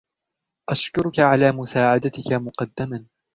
أشكرك على مساعدتك مقدمًا.